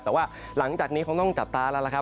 แต่ว่าหลังจากนี้คงต้องจับตาแล้วล่ะครับ